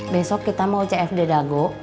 besok kita mau cfd dago